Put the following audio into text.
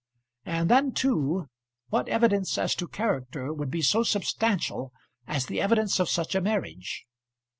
And then, too, what evidence as to character would be so substantial as the evidence of such a marriage?